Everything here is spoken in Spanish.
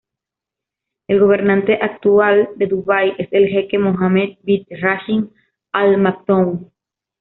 El gobernante actual de Dubai es el jeque Mohammed bin Rashid Al Maktoum.